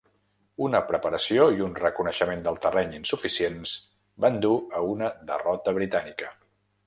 Una preparació i un reconeixement del terreny insuficients van dur a una derrota britànica.